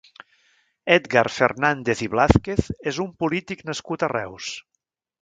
Edgar Fernández i Blázquez és un polític nascut a Reus.